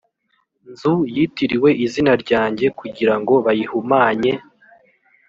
nzu yitiriwe izina ryanjye kugira ngo bayihumanye